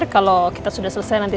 kameranya mana ya pak